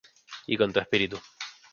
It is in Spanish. Y con tu espíritu.